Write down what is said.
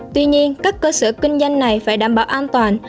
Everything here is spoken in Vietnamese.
tuy nhiên các cơ sở kinh doanh này phải đảm bảo an toàn